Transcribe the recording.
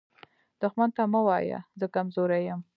دښمن ته مه وایه “زه کمزوری یم”